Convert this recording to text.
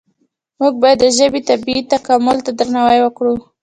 موږ باید د ژبې طبیعي تکامل ته درناوی وکړو.